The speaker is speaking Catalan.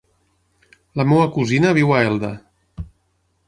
La meva cosina viu a Elda.